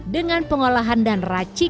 dengan pengolahan dan raci